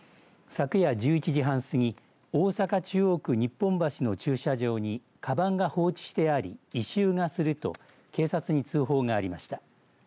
昨夜１１時半すぎ大阪、中央区日本橋の駐車場に、かばんが放置してあり異臭がすると警察に通報がありました。